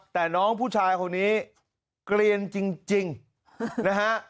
แต่น้องผู้ชายคนนี้เกลียนจริงนะฮะ